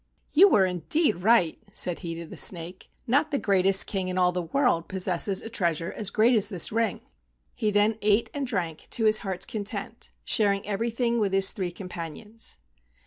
" You were indeed right," said he to the snake. "Not the greatest king in all the world possesses a treasure as great as this ring." He then ate and drank to his heart's content, sharing everything with his three companions.